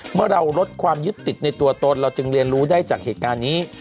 เมื่อเราลดความยึดติดในตัวตนเราจึงเรียนรู้ได้จากเหตุการณ์นี้